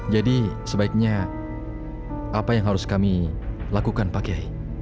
jadi sebaiknya apa yang harus kami lakukan pak kiai